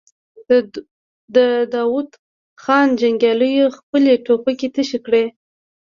د داوود خان جنګياليو خپلې ټوپکې تشې کړې.